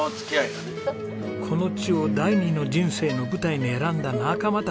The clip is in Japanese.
この地を第２の人生の舞台に選んだ仲間たち。